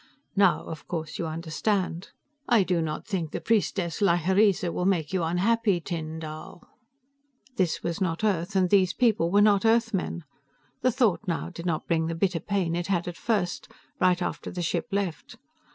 Now, of course, you understand. "I do not think the priestess Lhyreesa will make you unhappy, Tyn Dall." This was not Earth and these people were not Earthmen. The thought now did not bring the bitter pain it had at first, right after the ship left.